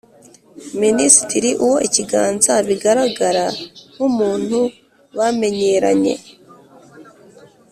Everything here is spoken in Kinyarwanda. minisitiri uwo ikiganza bigaragara nk'umuntu bamenyeranye,